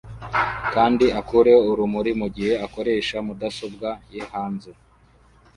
kandi akureho urumuri mugihe akoresha mudasobwa ye hanze